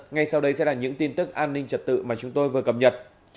ngay sau đây sẽ là những tin tức an ninh trật tự mà chúng tôi vừa cập nhật